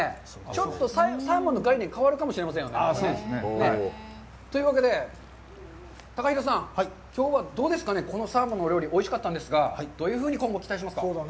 ちょっとサーモンの概念が変わるかもしれないですよね。というわけで、高平さん、きょうはどうですかね、このサーモンの料理、おいしかったんですが、どういうふうに今後期待しますか。